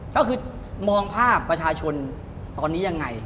ก็คือมองภาพประชาชนตอนนี้ยังไง